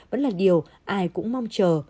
vẫn là điều ai cũng mong chờ